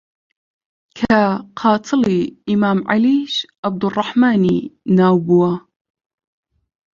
کە قاتڵی ئیمام عەلیش عەبدوڕڕەحمانی ناو بووە